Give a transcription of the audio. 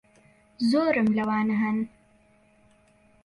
زۆرم لەوانە ھەن.